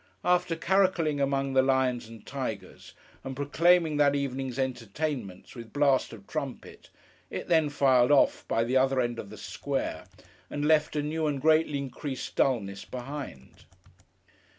After caracolling among the lions and tigers, and proclaiming that evening's entertainments with blast of trumpet, it then filed off, by the other end of the square, and left a new and greatly increased dulness behind.